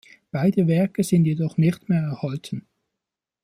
Beide Werke sind jedoch nicht mehr erhalten.